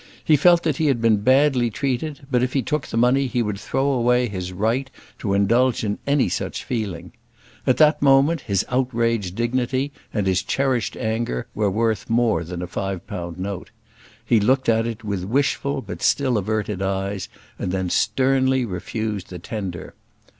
He felt that he had been badly treated; but if he took the money he would throw away his right to indulge in any such feeling. At that moment his outraged dignity and his cherished anger were worth more than a five pound note. He looked at it with wishful but still averted eyes, and then sternly refused the tender.